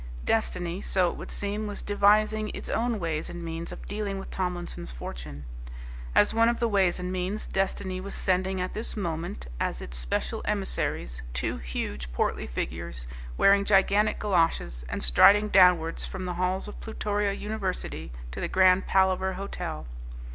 Destiny, so it would seem, was devising Its own ways and means of dealing with Tomlinson's fortune. As one of the ways and means, Destiny was sending at this moment as its special emissaries two huge, portly figures, wearing gigantic goloshes, and striding downwards from the halls of Plutoria University to the Grand Palaver Hotel.